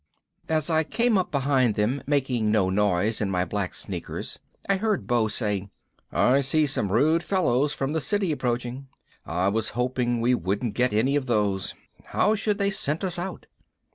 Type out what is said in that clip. As I came up behind them, making no noise in my black sneakers, I heard Beau say, "I see some rude fellows from the City approaching. I was hoping we wouldn't get any of those. How should they scent us out?"